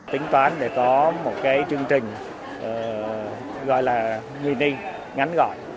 tính toán để có một chương trình gọi là mini ngánh gọi